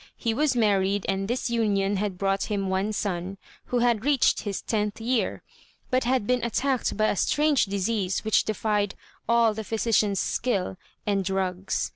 He was married, and this union had brought him one son, who had reached his tenth year, but had been attacked by a strange disease which defied all the physicians' skill and drugs.